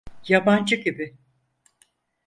Yabancı gibi…